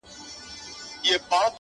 د خدای د عرش قهر د دواړو جهانونو زهر’